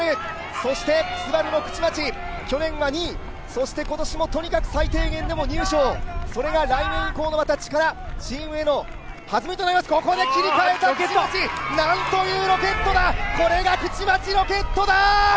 そしてＳＵＢＡＲＵの口町、去年は２位、今年もとにかく最低限でも入賞それが来年以降のまた力、ここで切り替えた口町、なんというロケットだ、これが口町ロケットだー！